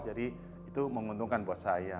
jadi itu menguntungkan buat saya